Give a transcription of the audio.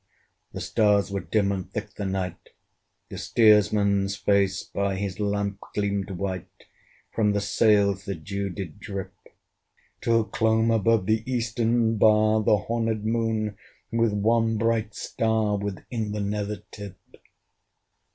The stars were dim, and thick the night, The steersman's face by his lamp gleamed white; From the sails the dew did drip Till clombe above the eastern bar The horned Moon, with one bright star Within the nether tip.